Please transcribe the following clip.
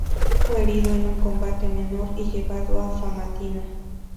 Fue herido en un combate menor, y llevado a Famatina.